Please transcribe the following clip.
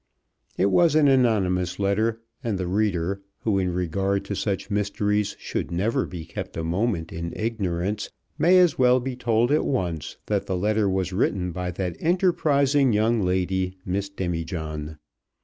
It was an anonymous letter, and the reader, who in regard to such mysteries should never be kept a moment in ignorance, may as well be told at once that the letter was written by that enterprising young lady, Miss Demijohn.